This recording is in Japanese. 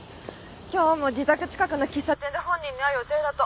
今日も自宅近くの喫茶店で本人に会う予定だと。